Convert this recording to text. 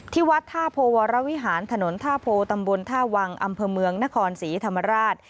ที่วัดท่าโพวรวิหารถนนท่าโพตำบลท่าวังอำเภอเมืองนครศรีธรรมราช